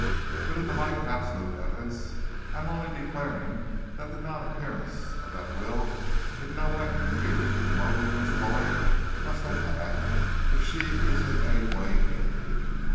But in the light of absolute evidence I am only declaring that the non appearance of that will in no way interferes with the motive Miss Lloyd must have had if she is in any way guilty.